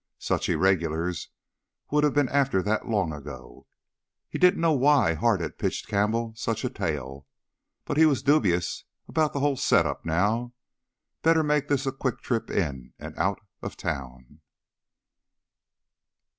Such irregulars would have been after that long ago. He didn't know why Hart had pitched Campbell such a tale, but he was dubious about the whole setup now. Better make this a quick trip in and out of town.